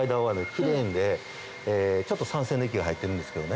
ちょっと酸性の液が入ってるんですけどね。